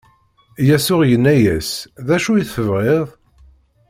Yasuɛ inna-as: D acu i tebɣiḍ?